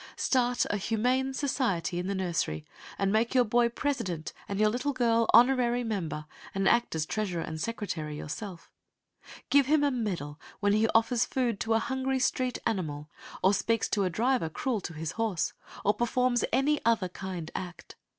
Start a humane society in the nursery and make your boy president and your little girl honorary member, and act as treasurer and secretary yourself. Give him a medal when he offers food to a hungry street animal or speaks to a driver cruel to his horse, or performs any other kind act.